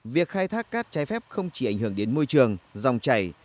việc khai thác cát trái phép không chỉ ảnh hưởng đến môi trường dòng chảy